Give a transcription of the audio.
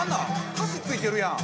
歌詞ついてるやん。